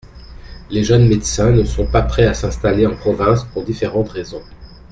Les jeunes médecins ne sont pas prêts à s’installer en province pour différentes raisons.